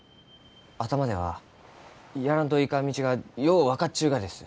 頭ではやらんといかん道がよう分かっちゅうがです。